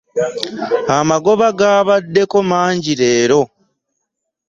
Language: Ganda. Amagoba gaabaddeko mangi leero.